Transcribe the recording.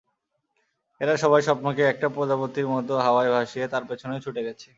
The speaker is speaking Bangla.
এরা সবাই স্বপ্নকে একটা প্রজাপতির মতো হাওয়ায় ভাসিয়ে তার পেছনে ছুটে গেছে।